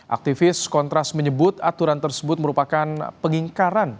aktivis kontras menyebut aturan tersebut merupakan pengingkaran